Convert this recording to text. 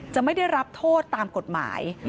จะไม่ได้รับโทษตามกฎหมาย